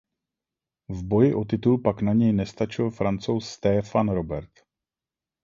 V boji o titul pak na něj nestačil Francouz Stéphane Robert.